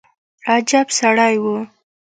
عجب سړى و.